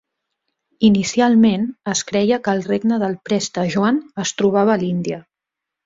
Inicialment, es creia que el regne del Preste Joan es trobava a l'Índia.